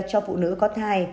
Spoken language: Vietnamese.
cho phụ nữ có thai